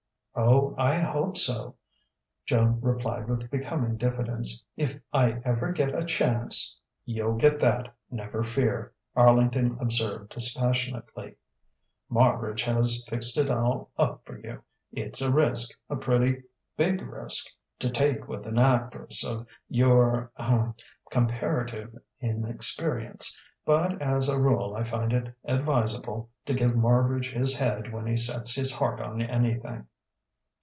"Oh, I hope so," Joan replied with becoming diffidence "if I ever get a chance." "You'll get that, never fear," Arlington observed dispassionately. "Marbridge has fixed it all up for you. It's a risk, a pretty big risk to take with an actress of your ah comparative inexperience, but as a rule I find it advisable to give Marbridge his head when he sets his heart on anything."